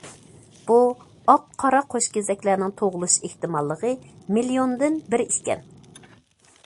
بۇ ئاق- قارا قوشكېزەكلەرنىڭ تۇغۇلۇش ئېھتىماللىقى مىليوندىن بىر ئىكەن.